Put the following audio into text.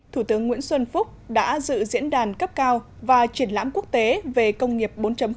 thủ tướng nguyễn xuân phúc đã dự diễn đàn cấp cao và triển lãm quốc tế về công nghiệp bốn